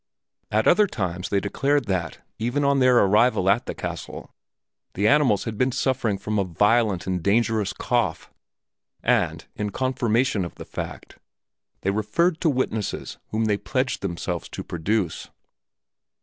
At other times they declared that, even on their arrival at the castle, the animals had been suffering from a violent and dangerous cough, and, in confirmation of the fact, they referred to witnesses whom they pledged themselves to produce.